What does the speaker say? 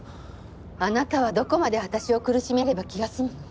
あなたはどこまで私を苦しめれば気が済むの？